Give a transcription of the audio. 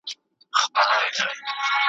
نه فریاد یې له ستړیا سو چاته کړلای ,